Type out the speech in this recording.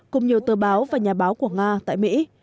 cùng nhiều tờ báo và nhà báo của nga tại mỹ